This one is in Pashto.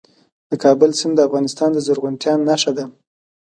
د کابل سیند د افغانستان د زرغونتیا نښه ده.